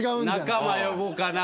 仲間呼ぼうかな。